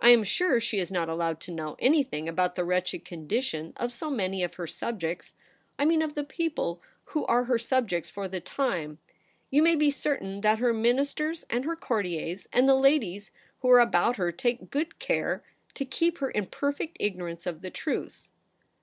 I am sure she is not allowed to know anything about the wretched condition THE PRINCESS AT HOME. 175 of SO many of her subjects — I mean of the people who are her subjects for the time. You may be certain that her Ministers, and her courtiers, and the ladies who are about her, take good care to keep her in perfect ignorance of the truth.